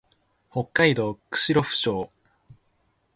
北海道訓子府町